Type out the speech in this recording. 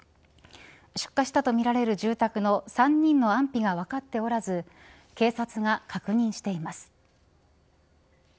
出火したとみられる住宅の３人の安否が分かっておらず警察が確認しています。